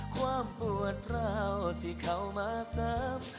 ความปวดเหล้าที่เข้ามาเสริม